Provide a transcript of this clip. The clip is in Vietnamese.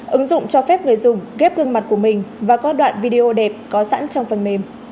ứng dụng cho phép người dùng ghép gương mặt của mình và các đoạn video đẹp có sẵn trong phần mềm